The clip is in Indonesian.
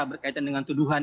berkaitan dengan tuduhan